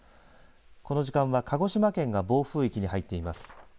この時間は鹿児島県が暴風域に入っています。